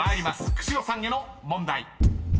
久代さんへの問題］